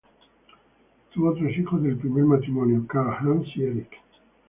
Tuvo tres hijos del primer matrimonio: Carl, Hans y Erik.